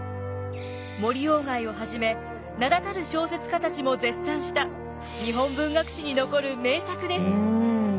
森鴎外をはじめ名だたる小説家たちも絶賛した日本文学史に残る名作です。